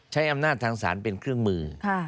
ใช้อำนาจทางศาลเป็นเครื่องมือ